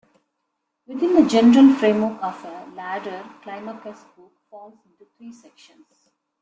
Within the general framework of a 'ladder', Climacus' book falls into three sections.